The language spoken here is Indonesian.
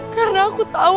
karena aku tahu